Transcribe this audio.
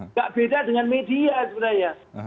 nggak beda dengan media sebenarnya